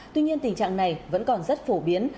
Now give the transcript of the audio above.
tuy nhiên tình trạng này vẫn còn rất phổ biến